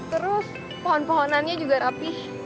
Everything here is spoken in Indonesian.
terus pohon pohonannya juga rapih